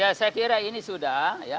ya saya kira ini sudah ya